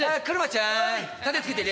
ちゃーん殺陣つけてね。